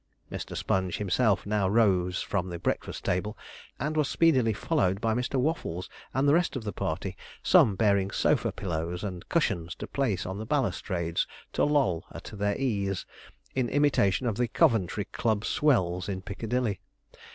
Mr. Sponge himself now rose from the breakfast table, and was speedily followed by Mr. Waffles and the rest of the party, some bearing sofa pillows and cushions to place on the balustrades, to loll at their ease, in imitation of the Coventry Club swells in Piccadilly.